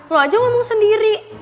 lo aja ngomong sendiri